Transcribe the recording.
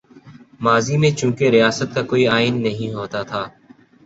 ماضی میں چونکہ ریاست کا کوئی آئین نہیں ہوتا تھا۔